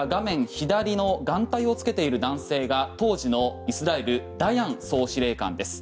左の眼帯をつけている男性が当時のイスラエルダヤン総司令官です。